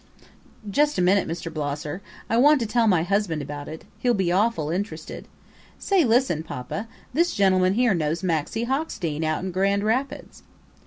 ... "Just a minute, Mr. Blosser, I want to tell my husband about it he'll be awful interested. Say, listen, Poppa, this gentleman here knows Maxie Hockstein out in Grand Rapids."